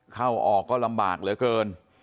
เข้าออกก็ลำบากเหลือเกิน